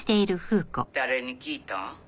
「誰に聞いたん？」